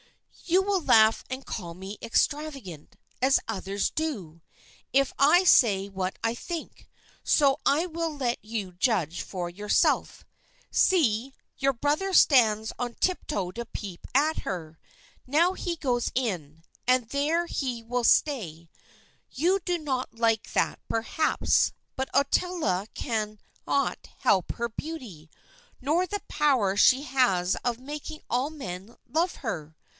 "You will laugh and call me extravagant, as others do, if I say what I think; so I will let you judge for yourself. See, your brother stands on tiptoe to peep at her. Now he goes in, and there he will stay. You do not like that, perhaps. But Ottila cannot help her beauty, nor the power she has of making all men love her.